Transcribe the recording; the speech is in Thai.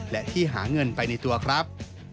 และที่หาเงินไปในตัวครับ